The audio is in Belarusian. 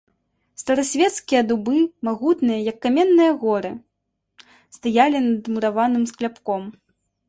Старасвецкія дубы, магутныя, як каменныя горы, стаялі над мураваным скляпком.